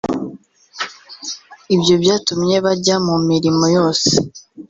Ibyo byatumye bajya mu mirimo yose